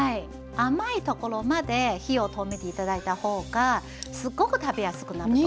甘いところまで火を止めて頂いた方がすごく食べやすくなると思います。